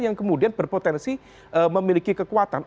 yang kemudian berpotensi memiliki kekuatan